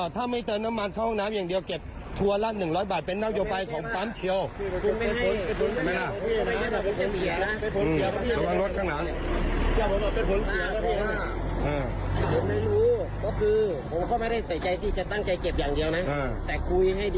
ถ้าไม่เจอน้ำมันเข้าห้องน้ำอย่างเดียวเก็บ